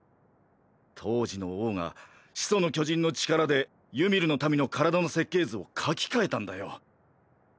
当時の王が「始祖の巨人」の力でユミルの民の体の設計図を書き換えたんだよ。